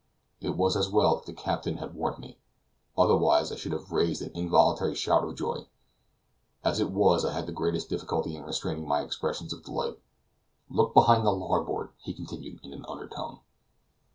It was as well that the captain had warned me; otherwise, I should have raised an involuntary shout of joy; as it was I had the greatest difficulty in restraining my expressions of delight. "Look behind to larboard," he continued in an undertone.